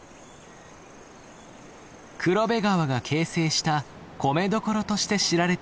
黒部川が形成した米どころとして知られている。